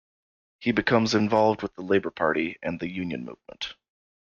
He becomes involved with the Labour Party and the union movement.